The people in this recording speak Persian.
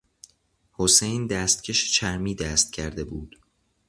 حسین دستکش چرمی دست کرده بود.